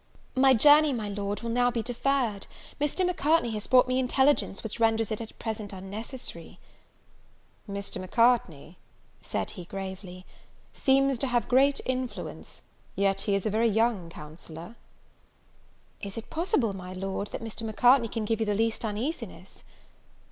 "My journey, my Lord, will now be deferred. Mr. Macartney has brought me intelligence which renders it at present unnecessary." "Mr. Macartney," said he, gravely, "seems to have great influence; yet he is a very young counsellor." "Is it possible, my Lord, Mr. Macartney can give you the least uneasiness?"